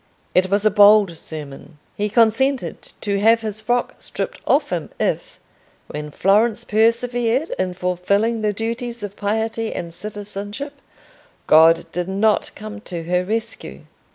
It was a bold sermon: he consented to have his frock stripped off him if, when Florence persevered in fulfilling the duties of piety and citizenship, God did not come to her rescue.